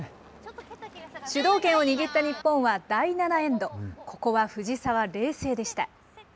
主導権を握った日本は第７エンド、ここは藤澤、冷静でした。